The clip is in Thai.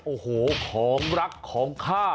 โอ้โหของรักของข้า